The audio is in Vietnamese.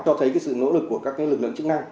cho thấy cái sự nỗ lực của các lực lượng chức năng